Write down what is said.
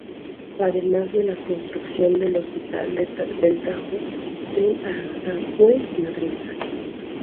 Además de la construcción del Hospital del Tajo, en Aranjuez, Madrid.